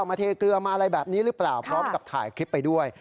มาเทเกลือมาอะไรแบบนี้หรือเปล่าพร้อมกับถ่ายคลิปไปด้วย